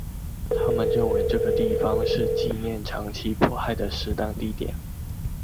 他们认为这个地方是纪念长期迫害的适当地点。